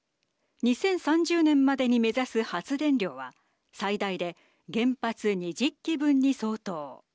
２０３０年までに目指す発電量は最大で原発２０基分に相当。